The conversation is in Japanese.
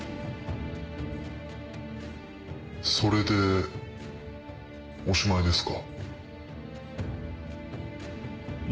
それでおしまいですか？